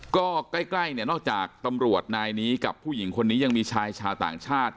ก็ใกล้เนี่ยนอกจากตำรวจนายนี้กับผู้หญิงคนนี้ยังมีชายชาวต่างชาติ